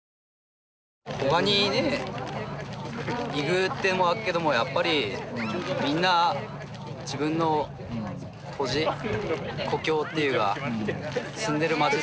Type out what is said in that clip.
他にね行くってのもあっけどもやっぱりみんな自分の土地故郷っていうか住んでる町好きだから。